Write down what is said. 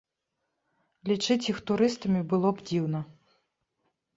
Лічыць іх турыстамі было б дзіўна.